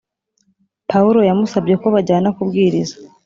Pawulo yamusabye ko bajyana kubwiriza